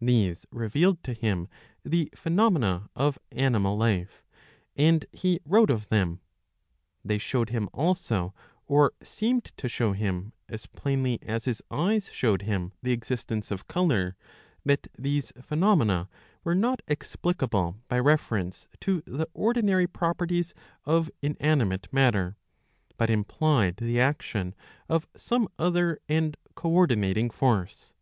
These revealed to him the phenomena of animal life, and he wrote of them. They showed him also, or seemed to show him, as plainly as his eyes showed him the existence of colour, that these phenomena were not explicable by reference to the ordinary properties of inanimate matter, but implied the action of some other and co ordinating force.